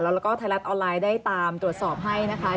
แล้วก็ไทยรัฐออนไลน์ได้ตามตรวจสอบให้นะคะ